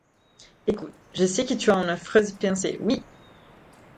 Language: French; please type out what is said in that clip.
Écoute, je sais que tu as une affreuse pensée, oui!